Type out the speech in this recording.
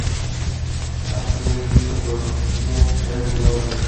Ha sido escrito por James R. Larus.